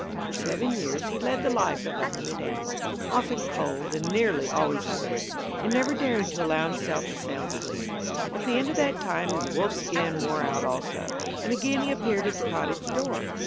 For seven years he led the life of a hunted animal, often cold and nearly always hungry, and never daring to allow himself a sound sleep. At the end of that time his wolf skin wore out also, and again he appeared at the cottage door.